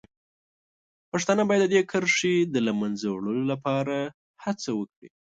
پښتانه باید د دې کرښې د له منځه وړلو لپاره هڅه وکړي.